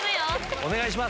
お願いします。